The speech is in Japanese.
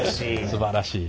すばらしい。